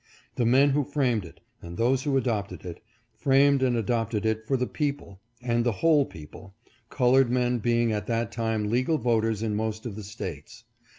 The men who framed it, and those who adopted it, framed and adopted it for the people, and the whole people — colored men being at that time legal voters in most of the States.